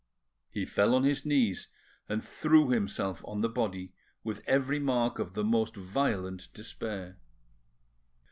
He fell on his knees, and threw himself on the body with every mark of the most violent despair.